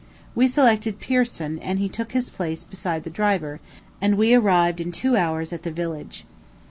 We selected Pirson, and he took his place beside the driver, and we arrived in two hour at the village.